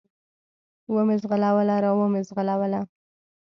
و مې زغلوله، را ومې زغلوله.